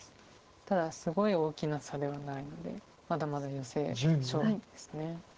ただすごい大きな差ではないのでまだまだヨセ勝負です。